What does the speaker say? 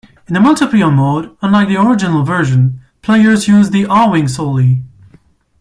In the multiplayer mode, unlike the original version, players use the Arwing solely.